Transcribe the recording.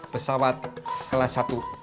pesawat kelas satu